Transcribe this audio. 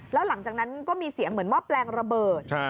แล้วหลังจากนั้นก็มีเสียงเหมือนหม้อแปลงระเบิด